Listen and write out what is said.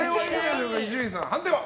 伊集院さん、判定は？